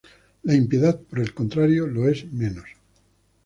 La impiedad, por el contrario, lo es menos.